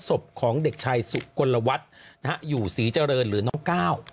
สบของเด็กชายศุกรวรรณวัตน์อยู่ศรีเจริญหรือน้องเก้า